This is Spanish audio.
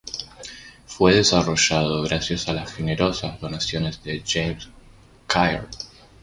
Fue desarrollado gracias a las generosas donaciones de James Caird.